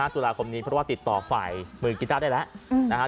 ๒๕ตุลาคมนี้เพราะว่าติดต่อฝ่ายมือกีตาร์ได้แล้ว